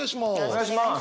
お願いします。